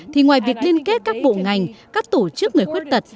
thì ngoài việc liên kết các bộ ngành các tổ chức người khuyết tật